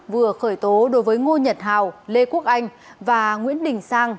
vừa khởi tố đối với ngô nhật hào lê quốc anh và nguyễn đình sang